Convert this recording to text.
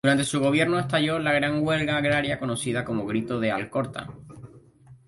Durante su gobierno estalló la gran huelga agraria conocida como Grito de Alcorta.